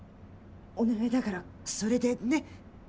お願いだからそれでねっ？